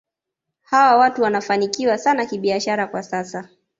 Hawa watu wanafanikiwa sana kibiashara kwa sasa